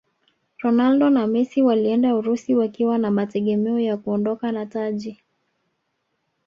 ronaldo na messi walienda urusi wakiwa na mategemeo ya kuondoka na taji